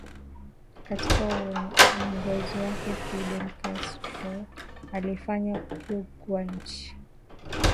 Katika uongozi wake Fidel Castrol aliifanya Cuba kuwa nchi